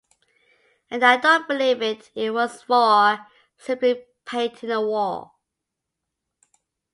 And I don't believe it was for simply painting a wall.